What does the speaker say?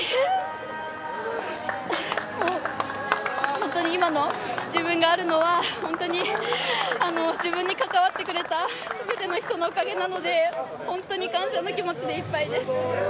本当に今の自分があるのは、本当に自分に関わってくれたすべての人のおかげなので、本当に感謝の気持ちでいっぱいです。